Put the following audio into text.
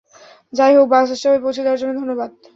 যাই হোক, বাস স্টপে পৌঁছে দেয়ার জন্য ধন্যবাদ।